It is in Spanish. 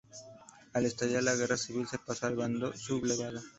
Al estallar la guerra civil, se pasó al bando sublevado.